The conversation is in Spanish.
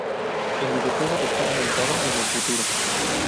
El videojuego está ambientado en el futuro.